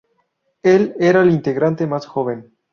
Él era el integrante más joven.